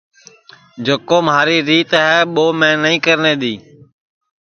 جکو مہاری ریت ہے ٻو میں نائی کرنے دؔیئے